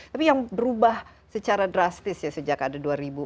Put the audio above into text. tapi yang berubah secara drastis ya sejak ada dua ribu empat belas